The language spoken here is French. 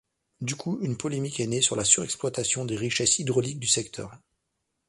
Du coup, une polémique est née de la surexploitation des richesses hydrauliques du secteur.